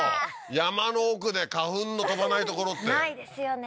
山の奥で花粉の飛ばない所ってないですよね